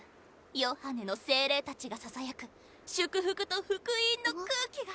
ヨハネの精霊たちがささやく祝福と福音の空気が！